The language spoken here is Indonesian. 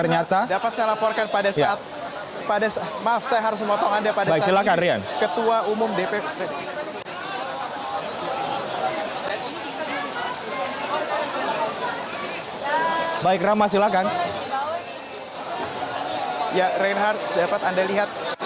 ya reinhardt dapat anda lihat